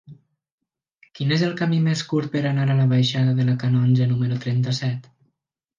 Quin és el camí més curt per anar a la baixada de la Canonja número trenta-set?